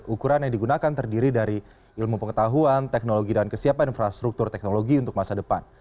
ukuran yang digunakan terdiri dari ilmu pengetahuan teknologi dan kesiapan infrastruktur teknologi untuk masa depan